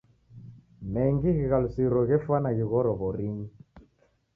Mengi ghighalusiro ghefwana ghighoro w'orinyi.